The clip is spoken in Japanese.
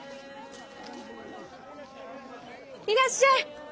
いらっしゃい。